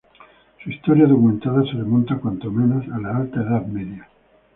Su historia documentada se remonta, cuando menos, a la Alta Edad Media.